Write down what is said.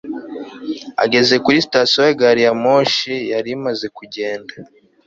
Ageze kuri sitasiyo gari ya moshi yari imaze kugenda